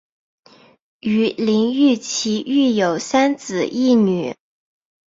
与林堉琪育有三子一女。